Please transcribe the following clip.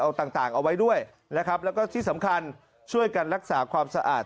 เอาต่างเอาไว้ด้วยนะครับแล้วก็ที่สำคัญช่วยกันรักษาความสะอาด